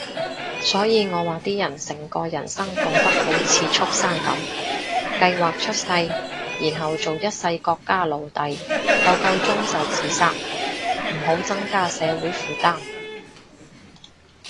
所以我話啲人成個人生過得好似畜牲噉，計劃出世，然後做一世國家奴隸，夠夠鐘就自殺，唔好增加社會負擔